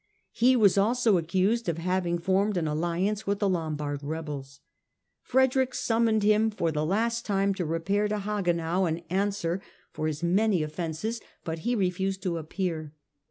He was also accused of having formed an alliance with the Lombard rebels. Frederick summoned him for the last time to repair to Hagenau and answer for his many offences, but he refused to appear.